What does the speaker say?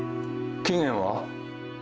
期限は？